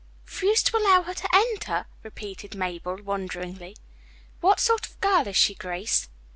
"Refused to allow her to enter," repeated Mabel wonderingly. "What sort of girl is she, Grace?"